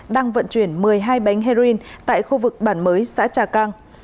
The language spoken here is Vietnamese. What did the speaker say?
đang vận chuyển một mươi hai bánh heroin tại khu vực bản mới xã trà cang